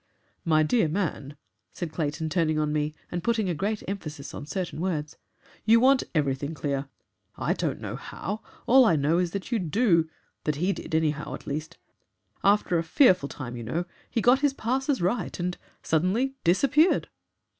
"My dear man," said Clayton, turning on me and putting a great emphasis on certain words, "you want EVERYTHING clear. I don't know HOW. All I know is that you DO that HE did, anyhow, at least. After a fearful time, you know, he got his passes right and suddenly disappeared."